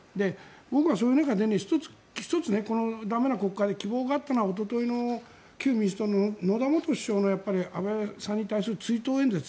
僕はそういう中で１つこの駄目な国会で希望があったのはおとといの旧民主党の野田元首相の安倍さんに対する追悼演説。